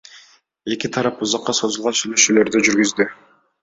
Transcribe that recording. Эки тарап узакка созулган сүйлөшүүлөрдү жүргүздү.